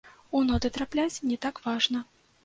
У ноты трапляць не так важна.